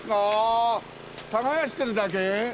耕してるだけ？